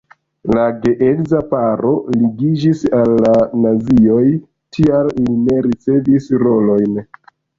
La geedza paro ligiĝis al la nazioj, tial ili ne ricevis rolojn.